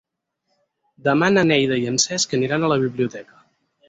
Demà na Neida i en Cesc aniran a la biblioteca.